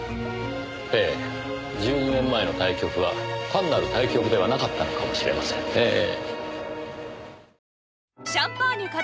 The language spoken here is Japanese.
ええ１２年前の対局は単なる対局ではなかったのかもしれませんねぇ。